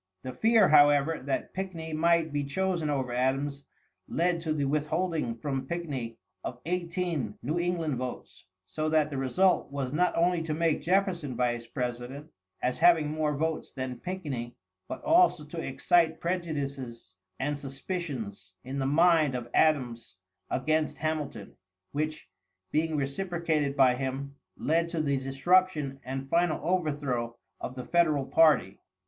The fear, however, that Pickney might be chosen over Adams led to the withholding from Pickney of eighteen New England votes, so that the result was not only to make Jefferson Vice President, as having more votes than Pickney, but also to excite prejudices and suspicions in the mind of Adams against Hamilton, which, being reciprocated by him, led to the disruption and final overthrow of the Federal party.